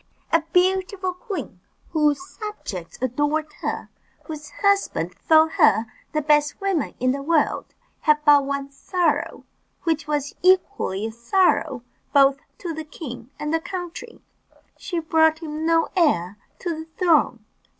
A beautiful queen, whose subjects adored her, and whose husband thought her the best woman in the world, had but one sorrow, which was equally a sorrow both to the king and the country she brought him no heir to the throne.